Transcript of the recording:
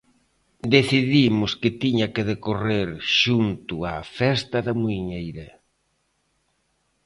Decidimos que tiña que decorrer xunto á Festa da Muiñeira.